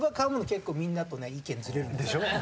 結構みんなとね意見ずれるんですよ。